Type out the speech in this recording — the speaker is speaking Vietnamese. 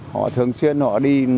họ thường xuyên họ đi